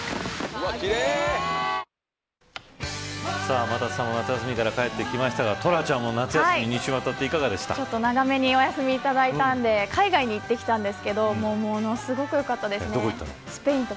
天達さんも夏休みから帰ってきましたがトラちゃんも夏休み２週にわたってどうで長めにお休みをいただいたんで海外に行ってきたんですけどものすごくよかったです。